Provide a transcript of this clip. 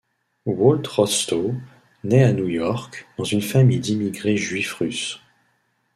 Walt Rostow naît à New York dans une famille d'immigrés juifs russes.